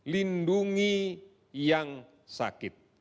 lindungi yang sakit